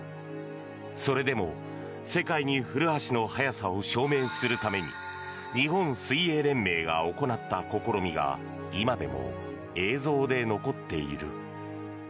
それでも世界に古橋の速さを証明するために日本水泳連盟が行った試みが今でも映像で残っている。